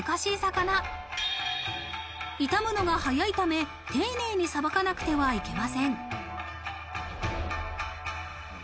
いたむのが早いため、丁寧にさばかなくてはいけません。